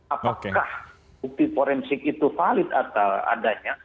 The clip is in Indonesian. apakah bukti forensik itu valid atau adanya